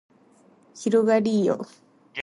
広がりーよ